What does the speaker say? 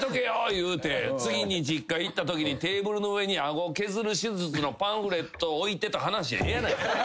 言うて次に実家行ったときにテーブルの上に顎削る手術のパンフレットを置いてた話ええやないかい。